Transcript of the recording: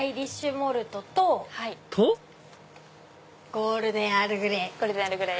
ゴールデン・アールグレイ。